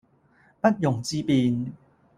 不容置辯